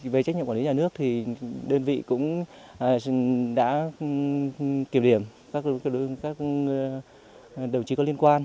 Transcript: về trách nhiệm quản lý nhà nước thì đơn vị cũng đã kiểm điểm các đồng chí có liên quan